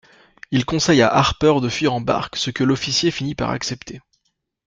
Il conseille à Harper de fuir en barque, ce que l’officier finit par accepter.